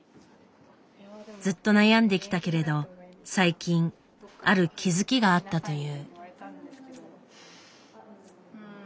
ずっと悩んできたけれど最近ある気付きがあったという。